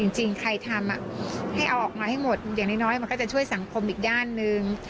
จริงใครทำให้เอาออกมาให้หมดอย่างน้อยมันก็จะช่วยสังคมอีกด้านหนึ่ง